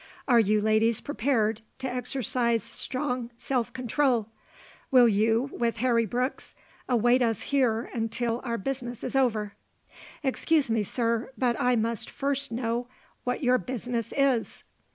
Are you ladies prepared to exercise strong self control? Will you, with Harry Brooks, await us here until our business is over?" "Excuse me, sir, but I must first know what your business is."